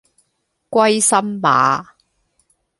歸心馬